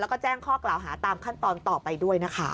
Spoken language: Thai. แล้วก็แจ้งข้อกล่าวหาตามขั้นตอนต่อไปด้วยนะคะ